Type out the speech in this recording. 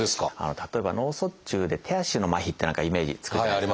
例えば脳卒中で手足の麻痺って何かイメージつくじゃないですか。